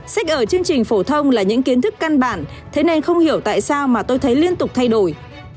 sách ở chương trình phổ thông là những kiến thức căn bản thế nên không hiểu tại sao mà tôi thấy liên tục thay đổi